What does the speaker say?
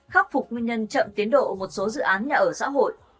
khắc phục nguyên nhân chậm tiến độ một số dự án nhà ở xã hội